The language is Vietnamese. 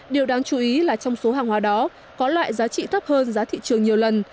điều đáng chú ý là trong số hàng hóa đó có loại giá trị thấp hơn giá thị trường nhiều lần